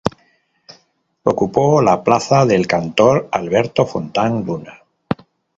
Ocupó la plaza del cantor Alberto Fontán Luna.